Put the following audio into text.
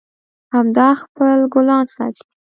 هغه خپل ګلان ساتي